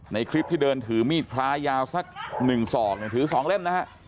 ในคลิปที่เดินถือมีดพลายาวสักหนึ่งสองถือสองเล่มนะฮะ